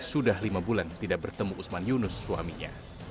sudah lima bulan tidak bertemu usman yunus suaminya